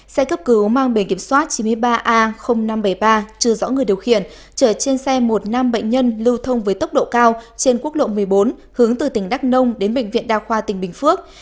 xe cấp cứu mang bề kiểm soát chín mươi ba a năm trăm bảy mươi ba chưa rõ người điều khiển chở trên xe một nam bệnh nhân lưu thông với tốc độ cao trên quốc lộ một mươi bốn hướng từ tỉnh đắk nông đến bệnh viện đa khoa tỉnh bình phước